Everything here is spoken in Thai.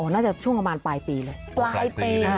น่าจะช่วงประมาณปลายปีเลยปลายปี